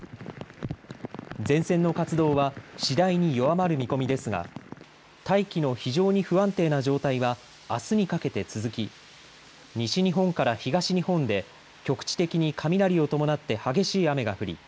前線の活動は次第に弱まる見込みですが大気の非常に不安定な状態はあすにかけて続き西日本から東日本で局地的に雷を伴って激しい雨が降り